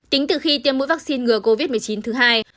tính từ khi tiêm mũi vaccine ngừa covid một mươi chín thứ hai